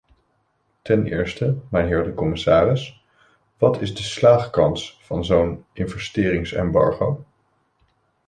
Ten eerste, mijnheer de commissaris, wat is de slaagkans van zo'n investeringsembargo?